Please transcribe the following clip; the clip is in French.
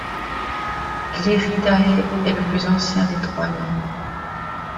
Gliridae est le plus ancien des trois noms.